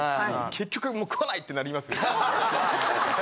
結局もう食わない！ってなりますよね。